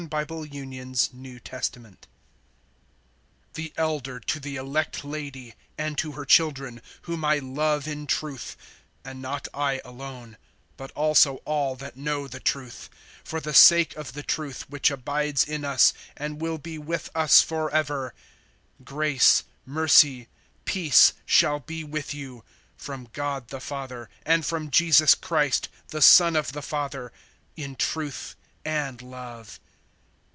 THE SECOND LETTER OF JOHN. THE elder to the elect lady, and to her children, whom I love in truth, and not I alone but also all that know the truth, (2)for the sake of the truth, which abides in us, and will be with us forever: (3)Grace, mercy, peace, shall be with you, from God the Father, and from Jesus Christ, the Son of the Father, in truth and love.